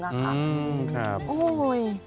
ครับโอ๊ย